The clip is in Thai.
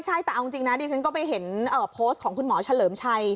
ใช่แต่เอาจริงนะดิฉันก็ไปเห็นโพสต์ของคุณหมอเฉลิมชัย